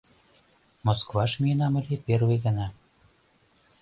Москваш миенам ыле первый гана.